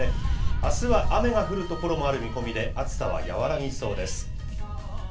あすは雨が降る所もある見込みで、暑さは和らぎそうです。